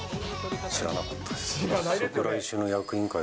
知らなかったです。